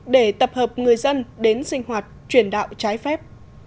để tập hợp người dân đến sinh hoạt truyền đạo trái phép